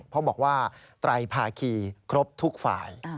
เพราะบอกว่าไตรภาคีครบทุกฝ่าย